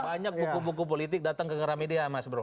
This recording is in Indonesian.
banyak buku buku politik datang ke geram media mas bro